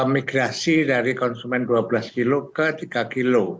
migrasi dari konsumen dua belas kg ke tiga kg